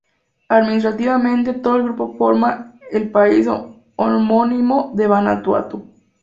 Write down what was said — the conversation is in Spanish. Administrativamente todo el grupo forma el país homónimo de Vanuatu.